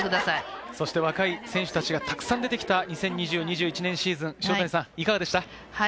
若い選手たちがたくさん出てきた２０２０−２０２１年シーズン、いかがでしたか？